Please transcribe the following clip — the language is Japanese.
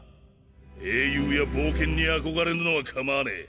英雄や冒険に憧れるのは構わねえ。